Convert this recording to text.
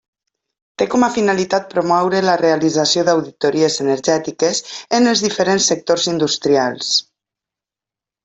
Té com a finalitat promoure la realització d'auditories energètiques en els diferents sectors industrials.